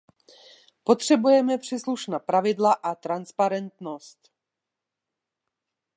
Potřebujeme příslušná pravidla a transparentnost.